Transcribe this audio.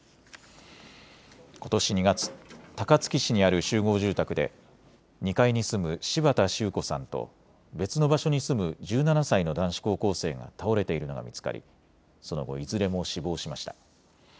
ことし２月、高槻市にある集合住宅で２階に住む柴田周子さんと別の場所に住む１７歳の男子高校生が倒れているのが見つかりその後、いずれも死亡しました。